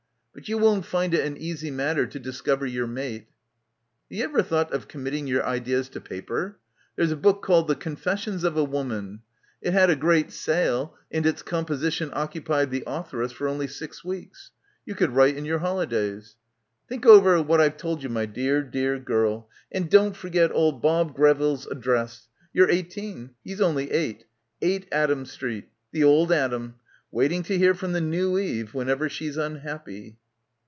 But you won't find it an easy matter to discover your mate. "Have you ever thought of committing your ideas to paper? There's a book called The Confessions of a Woman/ It had a great sale and its composition occupied the authoress for only six weeks. You could write in your holi days. "Think over what I've told you, my dear, dear girl. And don't forget old Bob Greville's address. You're eighteen. He's only eight; eight Adam Street. The old Adam. Waiting to hear from the new Eve — whenever she's unhappy."